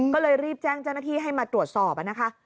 ก็เลยรีบแจ้งเจ้าหน้าที่ให้มาตรวจสอบนะคะ